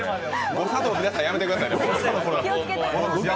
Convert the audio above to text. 誤作動、皆さんやめてくださいね。